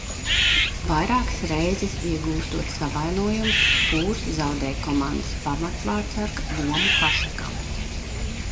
Vairākas reizes iegūstot savainojumus, Fūrs zaudēja komandas pamatvārtsarga lomu Hašekam.